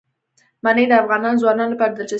منی د افغان ځوانانو لپاره دلچسپي لري.